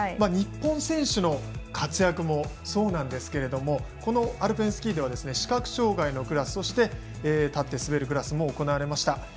日本選手の活躍もそうなんですがアルペンスキーでは視覚障がいのクラスそして、立って滑るクラスも行われました。